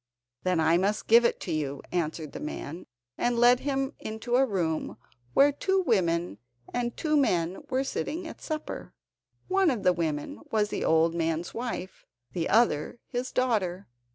"Then I must give it to you," answered the man, and led him into a room where two women and two men were sitting at supper. One of the women was the old man's wife, the other his daughter.